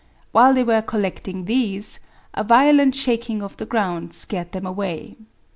While they were collecting these, a violent shaking of the ground scared them away.